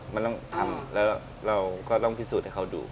มันต้องทำแล้วเราก็ต้องพิสูจน์ให้เขาดู